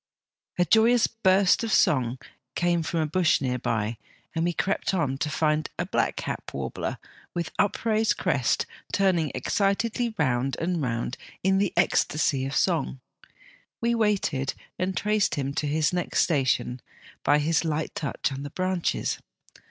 " A joyous burst of song came from a bush near by, and we crept on, to find a blackcap warbler with upraised crest turning excitedly round and round in the ecstasy of song. We waited, and traced him to his next station by his light touch on the branches.